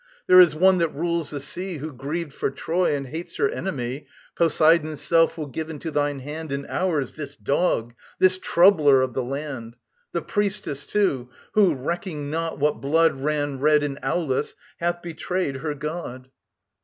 There is One that rules the sea Who grieved for Troy and hates her enemy: Poseidon's self will give into thine hand And ours this dog, this troubler of the land The priestess, too, who, recking not what blood Ran red in Aulis, hath betrayed her god!